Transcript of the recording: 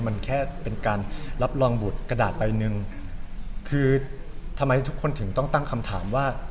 มันแค่เป็นการรับรองบุตรกระดาษใบหนึ่งคือทำไมทุกคนถึงต้องตั้งคำถามว่า